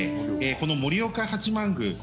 この盛岡八幡宮